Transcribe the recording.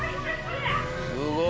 すごい。